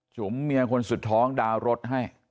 จุ๋มเมียคนสุดท้องดาวน์รถให้